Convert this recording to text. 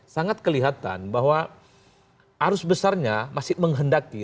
sangat kelihatan bahwa arus besarnya masih menghendaki